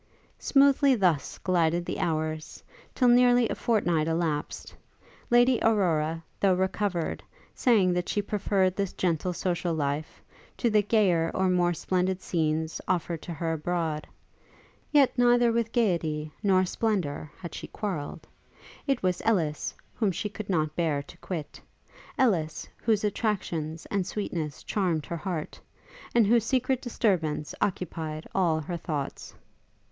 Smoothly thus glided the hours, till nearly a fortnight elapsed, Lady Aurora, though recovered, saying that she preferred this gentle social life, to the gayer or more splendid scenes offered to her abroad: yet neither with gaiety nor splendour had she quarrelled; it was Ellis whom she could not bear to quit; Ellis, whose attractions and sweetness charmed her heart, and whose secret disturbance occupied all her thoughts.